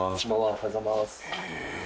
おはようございます。